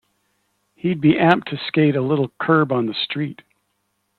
He'd be amped to skate a little curb on the street.